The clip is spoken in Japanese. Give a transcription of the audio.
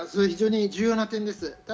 非常に重要な点です。